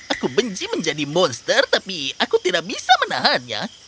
aku benci menjadi monster tapi aku tidak bisa menahannya